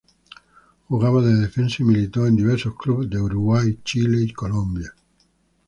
Jugaba de defensa y militó en diversos clubes de Uruguay, Chile y Colombia.